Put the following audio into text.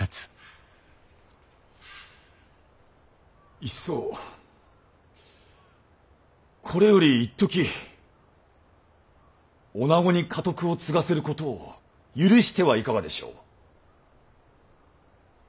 いっそこれよりいっとき女子に家督を継がせることを許してはいかがでしょう。